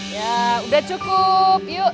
ya udah cukup yuk